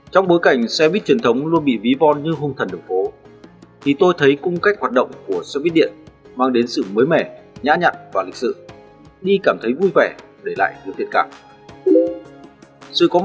trong bối cảnh xe buýt truyền thống luôn bị ví von như hung thần đường phố